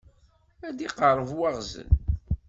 Ad d-iqerreb waɣzen.